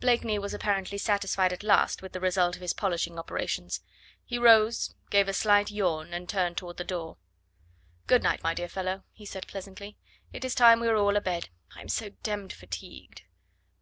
Blakeney was apparently satisfied at last with the result of his polishing operations. He rose, gave a slight yawn, and turned toward the door. "Good night, my dear fellow," he said pleasantly; "it is time we were all abed. I am so demmed fatigued."